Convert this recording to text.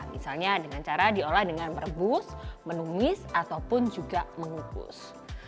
misalnya dengan cara diolah dengan merebus menumis ataupun juga mengukus